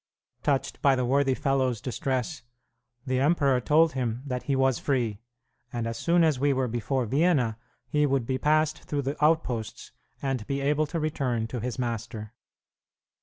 Touched by the worthy fellow's distress, the emperor told him that he was free, and as soon as we were before Vienna he would be passed through the outposts, and be able to return to his master.